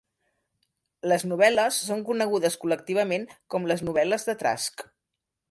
Les novel·les són conegudes col·lectivament com les novel·les de Trask.